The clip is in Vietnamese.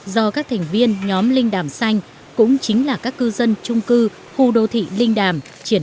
do các thành viên nhóm linh đàm xanh cũng chính là các cư dân trung cư khu đô thị linh đàm